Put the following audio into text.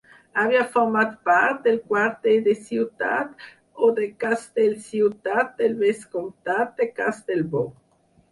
Havia format part del quarter de Ciutat o de Castellciutat del vescomtat de Castellbò.